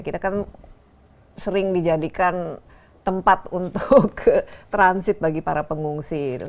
kita kan sering dijadikan tempat untuk transit bagi para pengungsi